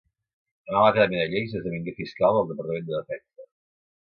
Anà a l'acadèmia de lleis i esdevingué fiscal del Departament de Defensa.